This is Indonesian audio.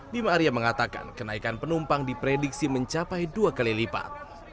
bima arya mengatakan kenaikan penumpang diprediksi mencapai dua kali lipat